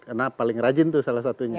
karena paling rajin tuh salah satunya